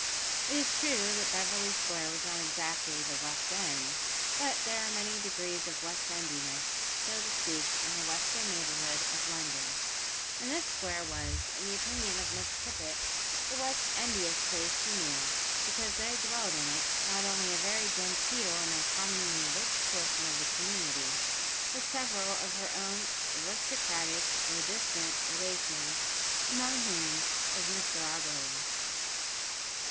It is true that Beverly Square was not exactly the "West End," but there are many degrees of West endiness, so to speak, in the western neighbourhood of London, and this square was, in the opinion of Miss Tippet, the West endiest place she knew, because there dwelt in it, not only a very genteel and uncommonly rich portion of the community, but several of her own aristocratic, though distant, relations, among whom was Mr Auberly.